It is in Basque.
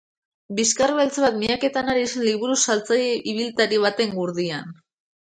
Bizkar-beltz bat miaketan ari zen liburu-saltzaile ibiltari baten gurdian.